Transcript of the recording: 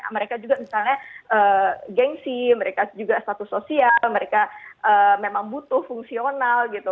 mereka juga misalnya gengsi mereka juga status sosial mereka memang butuh fungsional gitu